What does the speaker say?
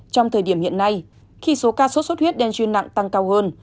trong thời điểm hiện nay khi số ca sốt xuất huyết dengue nặng tăng cao hơn